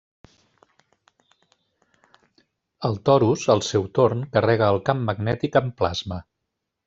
El torus, al seu torn, carrega el camp magnètic amb plasma.